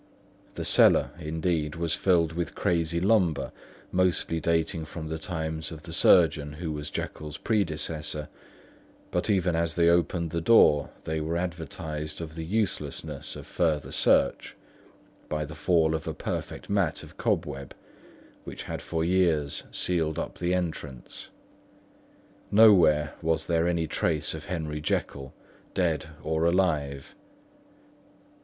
The cellar, indeed, was filled with crazy lumber, mostly dating from the times of the surgeon who was Jekyll's predecessor; but even as they opened the door they were advertised of the uselessness of further search, by the fall of a perfect mat of cobweb which had for years sealed up the entrance. Nowhere was there any trace of Henry Jekyll, dead or alive.